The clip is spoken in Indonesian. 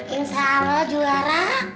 insya allah juara